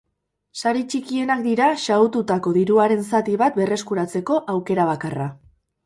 Sari txikienak dira xahututako diruaren zati bat berreskuratzeko aukera bakarra.